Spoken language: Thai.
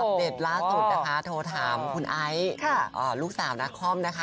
เด็ดล่าสุดนะคะโทรถามคุณไอซ์ลูกสาวนักคอมนะคะ